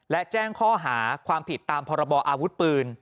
และแจ้งข้อหาความผิดตามพรบออาวุธปืน